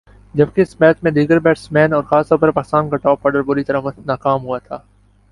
جبکہ اس میچ میں دیگر بیٹسمین اور خاص طور پر پاکستان کا ٹاپ آرڈر بری طرح ناکام ہوا تھا ۔